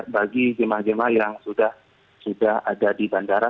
bagi jemaah jemaah yang sudah ada di bandara